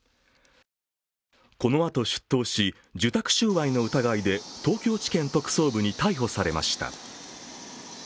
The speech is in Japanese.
このあと出頭し、受託収賄の疑いで東京地検特捜部に逮捕されました。